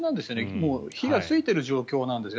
もう火がついている状況なんですね。